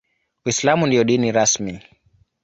Uislamu ndio dini rasmi.